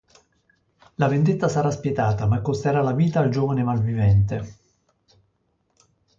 La vendetta sarà spietata, ma costerà la vita al giovane malvivente.